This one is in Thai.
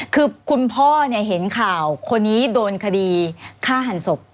คือคุณพ่อเห็นข่าวคนนี้โดนคดีฆ่าหันศพ